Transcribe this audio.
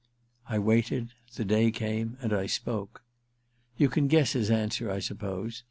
* I waited — the day came, and I spoke. You can guess his answer, I suppose.